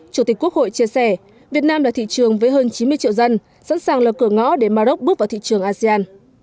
chủ tịch quốc hội chia sẻ việt nam là thị trường với hơn chín mươi triệu dân sẵn sàng là cửa ngõ để maroc bước vào thị trường asean